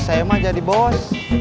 saya emang jadi bos